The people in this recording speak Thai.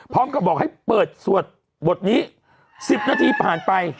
พร้อมกับบอกให้เปิดสวดบทนี้๑๐นาทีผ่านไป